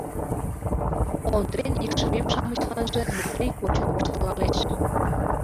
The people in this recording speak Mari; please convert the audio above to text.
Ондрен «икшывем-шамычланже» Метрий кочын воштылалеш.